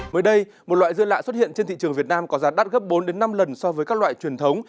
mới đây một loại dưa lạ xuất hiện trên thị trường việt nam có giá đắt gấp bốn năm lần so với các loại truyền thống